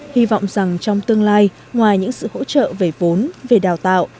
hy vọng rằng trong tương lai ngoài những sự hỗ trợ về vốn về đào tạo